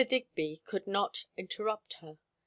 Digby could not interrupt her.